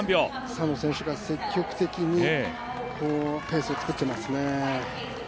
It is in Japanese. スタノ選手が積極的にペースをつくっていますね。